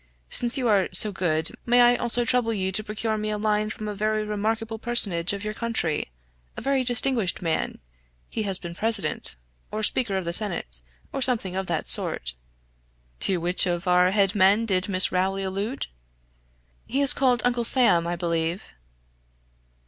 Since you are so good, may I also trouble you to procure me a line from a very remarkable personage of your country a very distinguished man he has been President, or Speaker of the Senate, or something of that sort." To which of our head men did Miss Rowley allude? "He is called Uncle Sam, I believe."